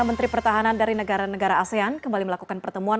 menteri pertahanan dari negara negara asean kembali melakukan pertemuan